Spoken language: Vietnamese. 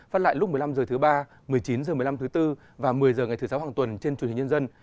phát lại lúc một mươi năm h thứ ba một mươi chín h một mươi năm thứ tư và một mươi h ngày thứ sáu hàng tuần trên truyền hình nhân dân